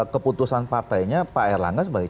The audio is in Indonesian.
keputusan partainya pak erlangga sebagai